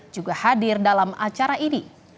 juga hadir dalam acara ini